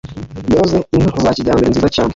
Yoroye inka za kijyambere nziza cyane,